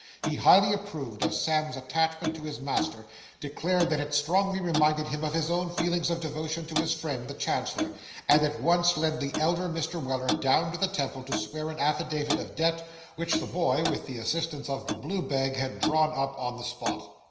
He highly approved of Sam's attachment to his master; declared that it strongly reminded him of his own feelings of devotion to his friend, the Chancellor; and at once led the elder Mr. Weller down to the Temple, to swear the affidavit of debt, which the boy, with the assistance of the blue bag, had drawn up on the spot.